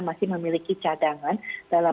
masih memiliki cadangan dalam